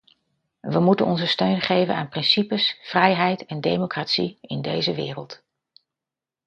We moeten onze steun geven aan principes, vrijheid en democratie in deze wereld.